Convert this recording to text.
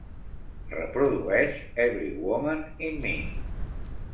Reprodueix Every Woman In Me